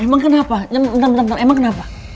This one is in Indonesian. emang kenapa bentar bentar bentar emang kenapa